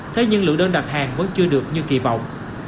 thế nhưng lượng đơn đặt hàng vẫn chưa được như kỳ vọng